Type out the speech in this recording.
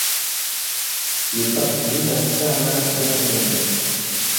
Le Pape menace Hermann d'anathème.